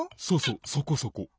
そうそうそこそこ。